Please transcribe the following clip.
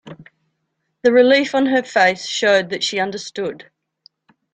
The relief on her face showed that she understood.